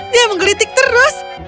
dia menggelitik terus